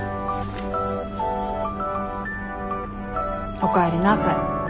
おかえりなさい。